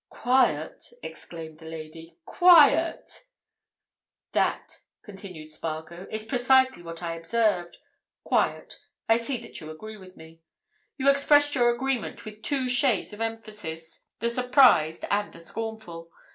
"Quiet!" exclaimed the lady. "Quiet?" "That," continued Spargo, "is precisely what I observed. Quiet. I see that you agree with me. You expressed your agreement with two shades of emphasis, the surprised and the scornful.